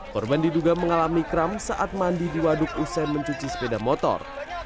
korban diduga mengalami kram saat mandi di waduk usai mencuci sepeda motor